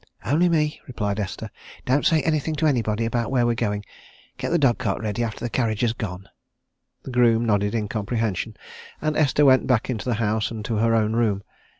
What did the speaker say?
"Only me," replied Esther. "Don't say anything to anybody about where we're going. Get the dog cart ready after the carriage has gone." The groom nodded in comprehension, and Esther went back to the house and to her own room.